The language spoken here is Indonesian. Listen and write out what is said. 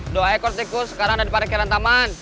dua ekor tikus sekarang ada di parkiran taman